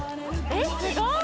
えっすごい！